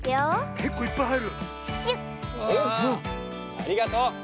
ありがとう！